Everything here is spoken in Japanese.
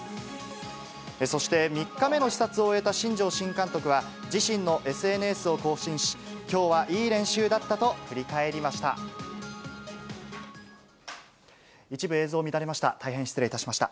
そして３日目の視察を終えた新庄新監督は、自身のＳＮＳを更新し、きょうはいい練習だったと振り返りました。